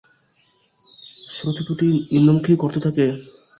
শুরুতে দুটি নিম্নমুখী গর্ত থাকে।